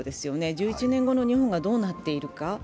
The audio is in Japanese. １１年後の日本がどうなっているか。